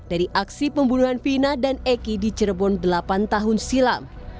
dari aksi pembunuhan vina dan eki di cirebon delapan tahun silam